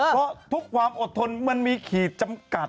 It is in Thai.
เพราะทุกความอดทนมันมีขีดจำกัด